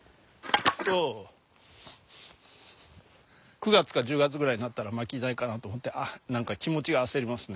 ９月か１０月ぐらいになったら薪ないかなあと思って何か気持ちが焦りますね。